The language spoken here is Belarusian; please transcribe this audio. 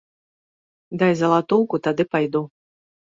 Дай залатоўку, тады пайду.